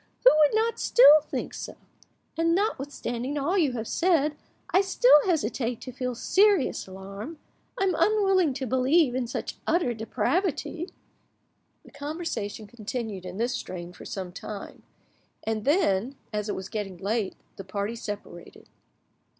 —who would not still think so? And notwithstanding all you have said, I still hesitate to feel serious alarm; I am unwilling to believe in such utter depravity." The conversation continued in this strain for some time, and then, as it was getting late, the party separated.